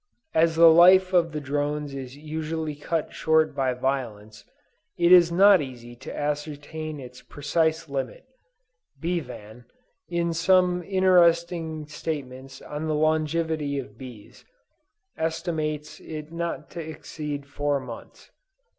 As the life of the drones is usually cut short by violence, it is not easy to ascertain its precise limit. Bevan, in some interesting statements on the longevity of bees, estimates it not to exceed four months.